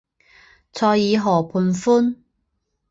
塞尔河畔宽。